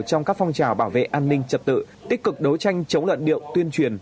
trong các phong trào bảo vệ an ninh trật tự tích cực đối tranh chống lợn điệu tuyên truyền